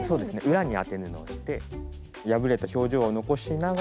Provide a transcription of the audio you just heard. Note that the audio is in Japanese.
裏に当て布をして破れた表情を残しながら。